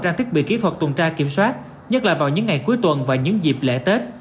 trang thiết bị kỹ thuật tuần tra kiểm soát nhất là vào những ngày cuối tuần và những dịp lễ tết